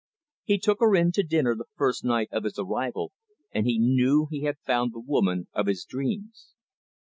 He took her in to dinner the first night of his arrival, and he knew he had found the woman of his dreams.